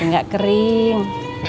biar gak kering